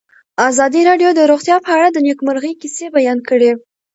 ازادي راډیو د روغتیا په اړه د نېکمرغۍ کیسې بیان کړې.